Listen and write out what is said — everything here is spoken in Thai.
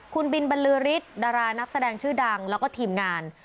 คุณบินบรรลือฤทธิ์ดารานักแสดงชื่อดังแล้วก็ทีมงาน